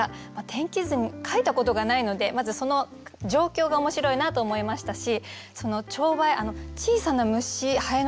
天気図描いたことがないのでまずその状況が面白いなと思いましたしそのチョウバエ